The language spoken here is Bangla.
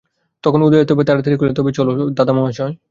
তখন উদয়াদিত্য তাড়াতাড়ি কহিলেন, তবে চলো চলো দাদামহাশয়।